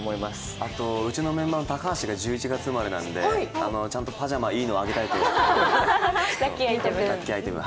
あとうちのメンバーの高橋が１１月生まれなので、ちゃんとパジャマ、いいのあげたいと思います。